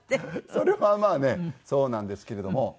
それはまあねそうなんですけれども。